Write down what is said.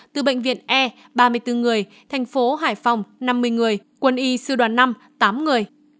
từ bệnh viện e ba mươi bốn người thành phố hải phòng năm mươi người quân y sư đoàn năm tám người